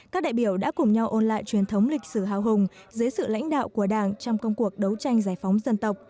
các đại biểu đã cùng nhau ôn lại truyền thống lịch sử hào hùng dưới sự lãnh đạo của đảng trong công cuộc đấu tranh giải phóng dân tộc